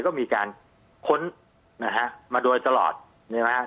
ก็มีการค้นมาโดยตลอดใช่ไหมครับ